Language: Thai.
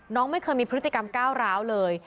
ไม่เคยมีพฤติกรรมก้าวร้าวเลย